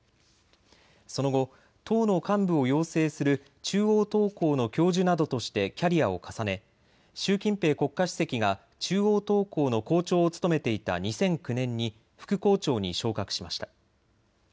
その後、党の幹部を養成する中央党校の教授などとしてキャリアを重ね習近平国家主席が中央党校の校長を務めていた２００９年に副校長に昇格しました。